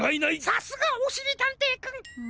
さすがおしりたんていくん！